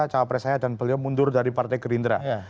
cawapresaya dan beliau mundur dari partai gerindra